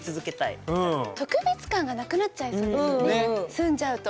住んじゃうと。